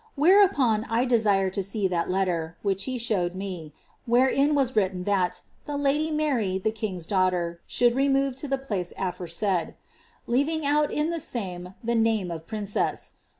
Whereupon I desired to see tliat letter, which he showed me, wherein was written that *tho lady Mary, the king's daughter, should re move to the place aforesaid' — leaving out in the same the name of princess.